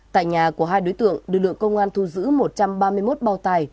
tại nhà của hai đối tượng lực lượng công an thu giữ một trăm ba mươi một bao tài